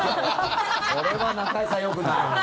これは中居さん、よくない。